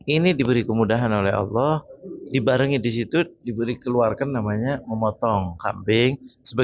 ini diberi kemudahan oleh allah dibarengi di situ diberi keluarkan namanya memotong kambing